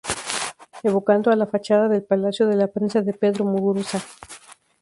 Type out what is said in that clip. Evocando a la fachada del Palacio de la Prensa de Pedro Muguruza.